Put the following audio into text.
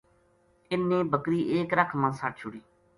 اِ ن نے بکری ایک رکھ ما سَٹ چھُڑی